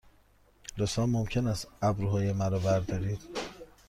لطفاً ممکن است ابروهای مرا بردارید؟